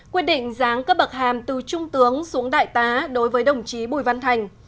quyết định giáng cấp bậc hàm từ trung tướng xuống đại tá đối với đồng chí bùi văn thành